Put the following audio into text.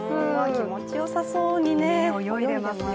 気持ちよさそうに泳いでますね。